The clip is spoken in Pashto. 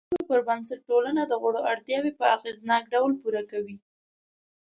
د اصولو پر بنسټ ټولنه د غړو اړتیاوې په اغېزناک ډول پوره کوي.